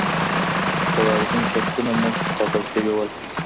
د توازن شرطونه مخکې ټاکل سوي وو.